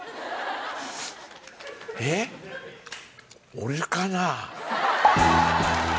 俺かな？